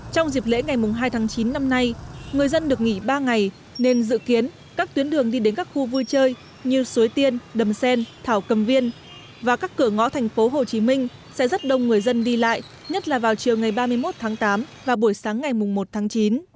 trong dịp lễ ngày hai tháng chín năm nay người dân được nghỉ ba ngày nên dự kiến các tuyến đường đi đến các khu vui chơi như suối tiên đầm sen thảo cầm viên và các cửa ngõ tp hcm sẽ rất đông người dân đi lại nhất là vào chiều ngày ba mươi một tháng tám và buổi sáng ngày một tháng chín